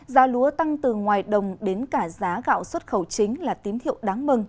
giá lúa tăng từ ngoài đồng đến cả giá gạo xuất khẩu chính là tím thiệu đáng mừng